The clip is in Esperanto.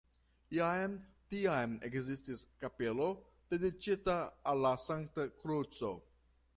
Jam tiam ekzistis kapelo dediĉita al la Sankta Kruco.